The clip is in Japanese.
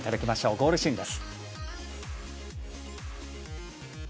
ゴールシーンです。